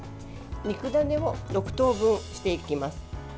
肉ダネを６等分していきます。